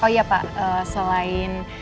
oh iya pak selain